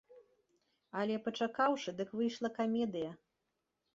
Але пачакаўшы, дык выйшла камедыя.